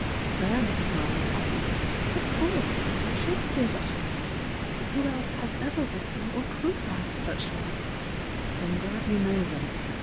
Diana smiled happily. "Of course! Shakespeare's utterance! Who else has ever written or could write such Unes?" "I'm glad you know them!"